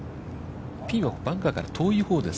ピンはバンカーから遠いほうです。